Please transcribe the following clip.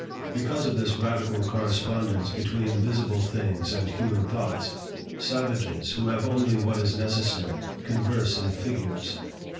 Because of this radical correspondence between visible things and human thoughts, savages, who have only what is necessary, converse in figures.